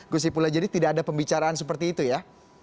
gus ipullah jadi tidak ada pembicaraan seperti itu ya